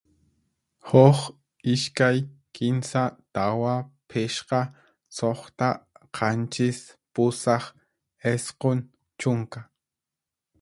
Huq, ishkay, kinsa, tawa, phishqa, suqta, qanchis, pusaq, isqun, chunka.